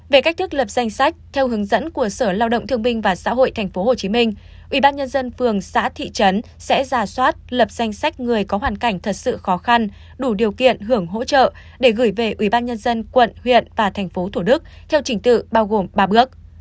về cách thức lập danh sách theo hướng dẫn của sở lao động thương minh và xã hội tp hcm ubnd phường xã thị trấn sẽ giả soát lập danh sách người có hoàn cảnh thật sự khó khăn đủ điều kiện hưởng hỗ trợ để gửi về ubnd quận huyện và thành phố thủ đức theo trình tự bao gồm ba bước